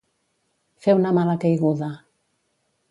Fer una mala caiguda.